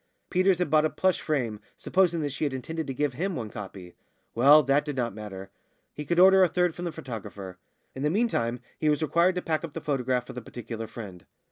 Peters had bought a plush frame, supposing that she had intended to give him one copy; well, that did not matter; he could order a third from the photographer. In the meantime he was required to pack up the photograph for the particular friend.